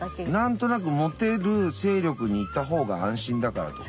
何となくモテる勢力にいた方が安心だからとか。